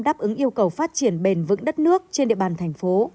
đáp ứng yêu cầu phát triển bền vững đất nước trên địa bàn thành phố